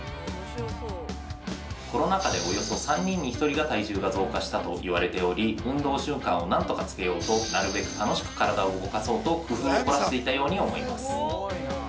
◆コロナ禍でおよそ３人に１人が体重が増加したと言われており運動習慣をなんとかつけようとなるべく楽しく体を動かそうと工夫を凝らしていたように思います。